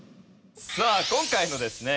さあ今回のですね